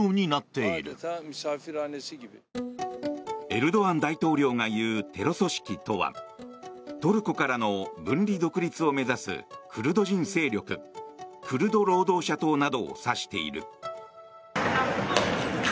エルドアン大統領が言うテロ組織とはトルコからの分離独立を目指すクルド人勢力クルド労働者党などを指している。